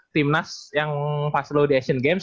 timnas yang pas lo di asian games